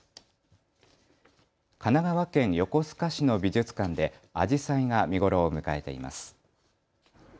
神奈川県横須賀市の美術館でアジサイが見頃を迎えています。